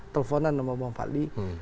teleponan sama bang fadli